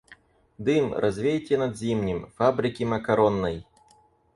Дым развейте над Зимним — фабрики макаронной!